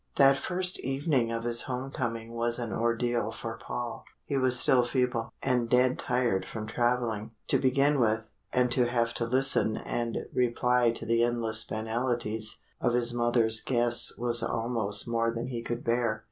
That first evening of his homecoming was an ordeal for Paul. He was still feeble, and dead tired from travelling, to begin with and to have to listen and reply to the endless banalities of his mother's guests was almost more than he could bear.